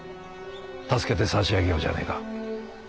助けてさしあげようじゃねえか。